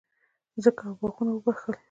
مځکه او باغونه وبخښل.